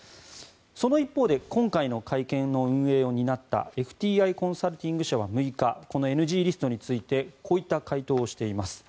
その一方で今回の会見の運営を担ったＦＴＩコンサルティング社は６日このＮＧリストについてこういった回答をしています。